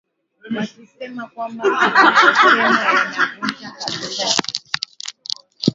wakisema kwamba anayosema yanavunja kabisa sheria